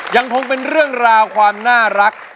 ยังคงเป็นเรื่องราวความน่ารัก